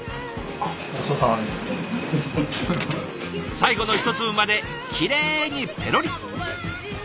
最後の一粒まできれいにペロリ。